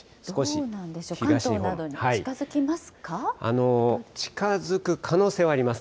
どうなんでしょう、近づく可能性はあります。